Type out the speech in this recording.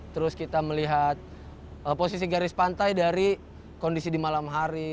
terus kita melihat posisi garis pantai dari kondisi di malam hari